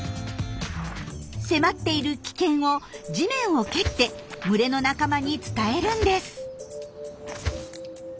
迫っている危険を地面を蹴って群れの仲間に伝えるんです。